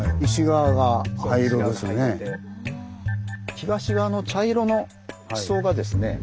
東側の茶色の地層がですね